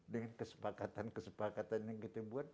dengan kesepakatan kesepakatan yang kita buat